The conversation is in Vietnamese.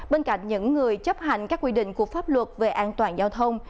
bên cạnh những người chấp hành các quy định của pháp luật về an toàn giao thông